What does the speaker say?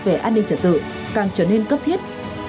về an ninh trật tự càng trở nên cấp thiết